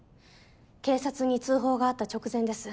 警察に通報があった直前です。